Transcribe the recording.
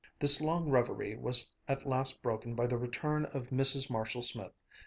This long reverie was at last broken by the return of Mrs. Marshall Smith.